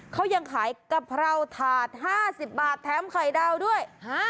เขายังขายกะเพราถาด๕๐บาทแถมไข่ดาวด้วย